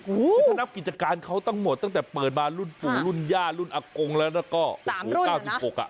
คือถ้านับกิจการเขาตั้งหมดตั้งแต่เปิดมารุ่นปุ๋นรุ่นย่ารุ่นอักโกงแล้วก็๙๖ปี